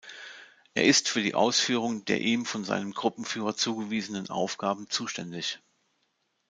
Er ist für die Ausführung der ihm von seinem Gruppenführer zugewiesenen Aufgaben zuständig.